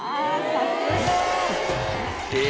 さすが！え！